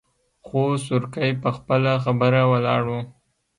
خو سورکی په خپله خبره ولاړ و.